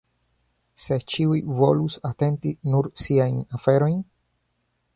Se ĉiu volus atenti nur siajn aferojn.